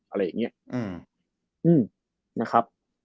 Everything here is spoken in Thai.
อะไรแบบนี้นะครับ